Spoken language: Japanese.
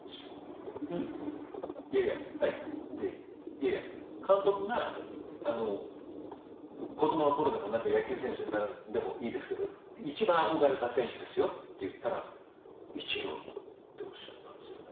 「いやいや監督が子供の頃でも野球選手になるでもいいですけど一番憧れた選手ですよ」って言ったら「イチロー」っておっしゃったんですよね。